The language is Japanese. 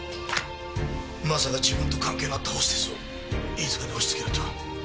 まさか自分と関係のあったホステスを飯塚に押しつけるとは。